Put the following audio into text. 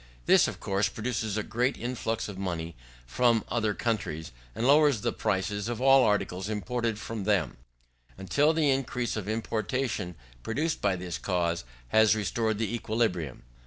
This of course produces a great influx of money from other countries, and lowers the prices of all articles imported from them, until the increase of importation produced by this cause has restored the equilibrium.